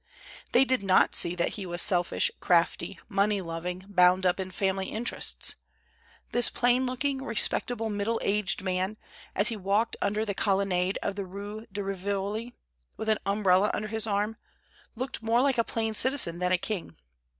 They did not see that he was selfish, crafty, money loving, bound up in family interests. This plain looking, respectable, middle aged man, as he walked under the colonnade of the Rue de Rivoli, with an umbrella under his arm, looked more like a plain citizen than a king.